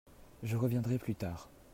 Je reviendrai plus tard.